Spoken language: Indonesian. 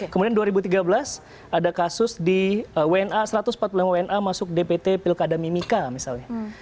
kemudian dua ribu tiga belas ada kasus di wna satu ratus empat puluh lima wna masuk dpt pilkada mimika misalnya